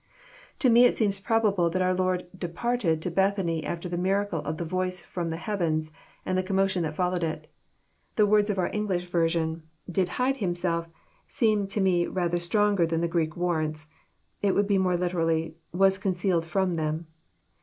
To me it seems probable that our Lord " departed " to Beth any after the miracle of the Voice ftom the heavens, and the commotion that followed it. — The words of our English version " Did hide Himself," seem to me rather stronger than the Greek warrants. It would be more literally, "Was concealed from them."